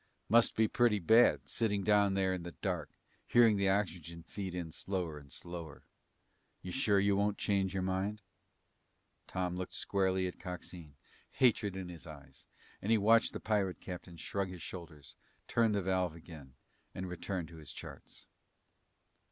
"Must be pretty bad, sitting down there in the dark, hearing the oxygen feed in slower and slower. You sure you won't change your mind?" Tom looked squarely at Coxine, hatred in his eyes, and he watched the pirate captain shrug his shoulders, turn the valve again, and return to his charts.